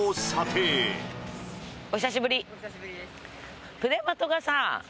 お久しぶりです。